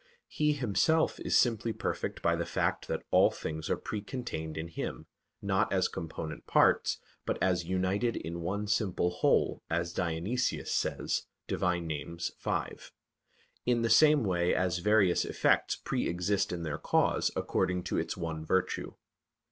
He Himself is simply perfect by the fact that "all things are pre contained" in Him, not as component parts, but as "united in one simple whole," as Dionysius says (Div. Nom. v); in the same way as various effects pre exist in their cause, according to its one virtue.